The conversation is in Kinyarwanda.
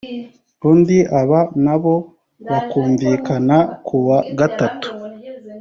undi aba na bo bakumvikana ku wa gatatu